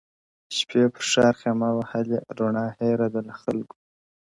شپې پر ښار خېمه وهلې، رڼا هېره ده له خلکو.!